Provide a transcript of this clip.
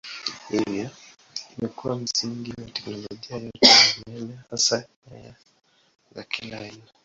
Hivyo imekuwa msingi wa teknolojia yote ya umeme hasa nyaya za kila aina.